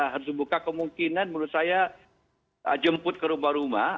harus buka kemungkinan menurut saya jemput ke rumah rumah